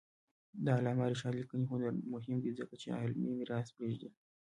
د علامه رشاد لیکنی هنر مهم دی ځکه چې علمي میراث پرېږدي.